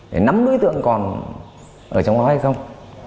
để nắm đối tượng còn ở trong đó hay không